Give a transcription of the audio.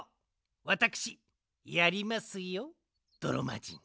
わたくしやりますよどろまじん。